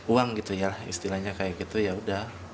uang gitu ya istilahnya kayak gitu ya udah